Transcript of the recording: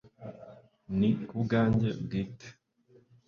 ni kubwanjye bwite